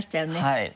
はい。